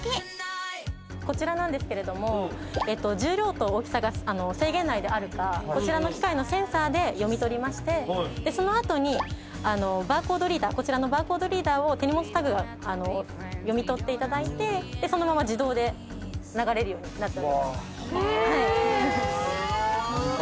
こちらなんですけれども重量と大きさが制限内であるかこちらの機械のセンサーで読み取りましてその後にこちらのバーコードリーダーを手荷物タグ読み取っていただいてそのまま自動で流れるようになっております。